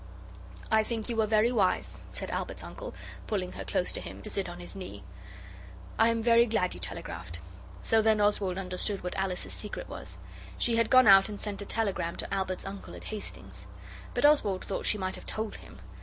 'I think you were very wise,' said Albert's uncle, pulling her close to him to sit on his knee. 'I am very glad you telegraphed.' So then Oswald understood what Alice's secret was. She had gone out and sent a telegram to Albert's uncle at Hastings. But Oswald thought she might have told him.